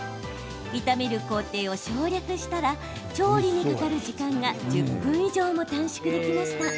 炒める工程を省略したら調理にかかる時間が１０分以上も短縮できました。